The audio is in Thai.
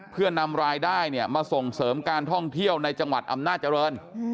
เพื่อนำรายได้มาส่งเสริมการท่องเที่ยวในจังหวัดอำนาจริง